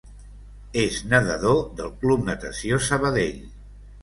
És nedador del Club Natació Sabadell.